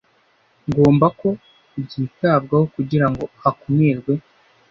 ngomba ko byitabwaho kugira ngo hakumirwe